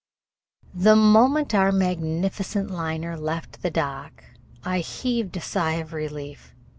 The moment our magnificent liner left the dock I heaved a sigh of relief.